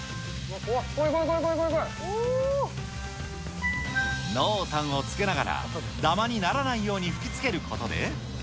怖い、濃淡をつけながら、だまにならないように噴きつけることで。